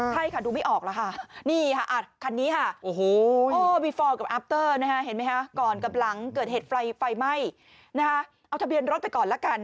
เห็นไหมฮะก่อนกับหลังเกิดเหตุไฟไฟไม่นะฮะเอาทะเบียนรอดไปก่อนแล้วกัน